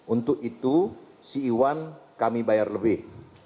untuk itu si iwan kami bayar lebih